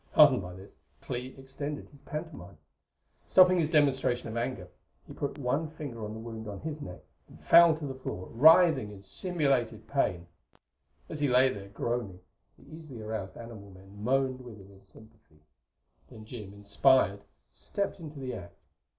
Heartened by this, Clee extended his pantomime. Stopping his demonstration of anger, he put one finger on the wound on his neck and fell to the floor, writhing in simulated pain. As he lay there groaning, the easily aroused animal men moaned with him in sympathy. Then Jim, inspired, stepped into the act.